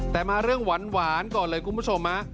แต่มาเรื่องหวานก่อนเลยคุณผู้ชม